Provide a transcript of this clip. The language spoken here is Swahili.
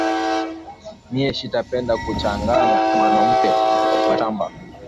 Miye shita penda kuchangiya na mwanamuke mashamba